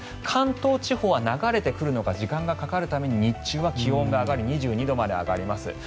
関東地方は流れてくるのが時間がかかるために日中は気温が２２度まで上がります。